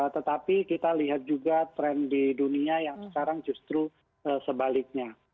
tetapi kita lihat juga tren di dunia yang sekarang justru sebaliknya